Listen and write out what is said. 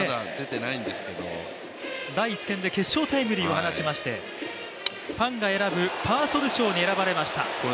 第１戦で決勝タイムリーを放ちましてファンが選ぶパーソル賞に選ばれました。